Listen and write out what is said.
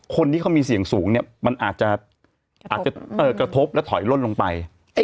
คนที่เขามีเสี่ยงสูงเนี่ยมันอาจจะกระทบและถอยล่นลงไป